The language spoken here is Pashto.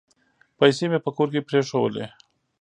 پیسې مي په کور کې پرېښولې .